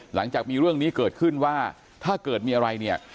หลังจากมีเรื่องนี้เกิดขึ้นว่าถ้าเกิดมีอะไรเนี่ย